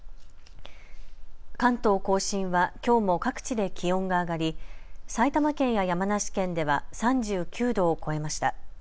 関東甲信はきょうも各地で気温が上がり埼玉県や山梨県では３９度を超えました。